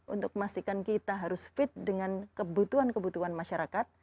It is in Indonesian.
untuk memastikan kita harus fit dengan kebutuhan kebutuhan masyarakat